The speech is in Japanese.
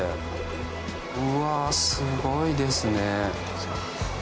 うわすごいですね。